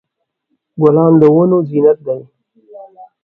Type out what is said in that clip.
ګلان د ودونو زینت وي.